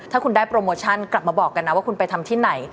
ถ้าคุณได้โปรโมชั่นกลับมาบอกกันนะว่าคุณไปทำที่ไหน